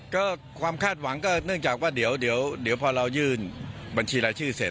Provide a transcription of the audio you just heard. ก็ความคาดหวังก็เนื่องจากว่าเดี๋ยวพอเรายื่นบัญชีรายชื่อเสร็จ